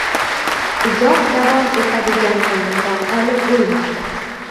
• Uzoq davom etadigan o‘yinda g‘olib bo‘lmaydi.